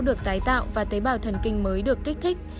được tái tạo và tế bào thần kinh mới được kích thích